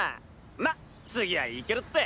まっ次はいけるって！